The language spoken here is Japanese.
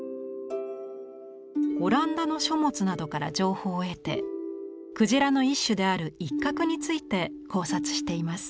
オランダの書物などから情報を得てクジラの一種であるイッカクについて考察しています。